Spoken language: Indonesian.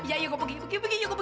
ayo gua pergi pergi pergi